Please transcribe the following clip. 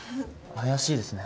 怪しいですね。